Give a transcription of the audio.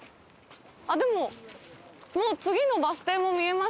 あっでももう次のバス停も見えましたよ。